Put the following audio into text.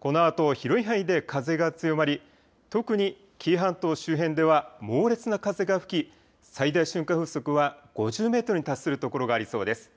このあと広い範囲で風が強まり、特に紀伊半島周辺では、猛烈な風が吹き、最大瞬間風速は５０メートルに達する所がありそうです。